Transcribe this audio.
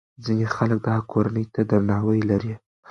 ځینې خلک د هغه کورنۍ ته درناوی لري.